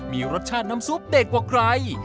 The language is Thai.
มีรสชาติน้ำซุปเด็ดกว่าใคร